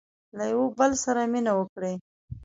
• له یوه بل سره مینه وکړئ.